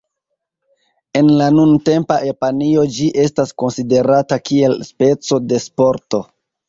En la nuntempa Japanio ĝi estas konsiderata kiel speco de sporto.